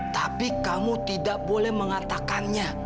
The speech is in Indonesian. tapi kamu tidak boleh mengatakannya